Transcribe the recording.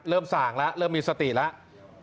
ส่างแล้วเริ่มมีสติแล้ว